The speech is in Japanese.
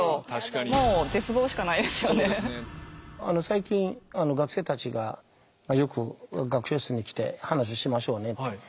あの最近学生たちがよく学長室に来て話しましょうねと。